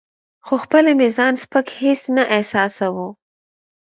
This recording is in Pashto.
خو خپله مې ځان سپک هیڅ نه احساساوه.